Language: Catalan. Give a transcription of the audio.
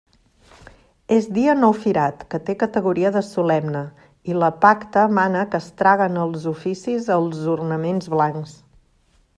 És dia no firat, que té categoria de solemne, i l'epacta mana que es traguen als oficis els ornaments blancs.